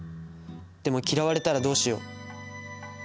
でも嫌われたらどうしよう」。